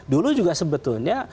dulu juga sebetulnya